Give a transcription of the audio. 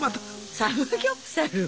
サムギョプサルを。